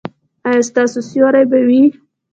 ایا ستاسو سیوری به وي؟